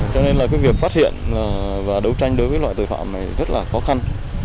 cho nên việc phát hiện và đấu tranh đối với loại tội phạm này rất là khó khăn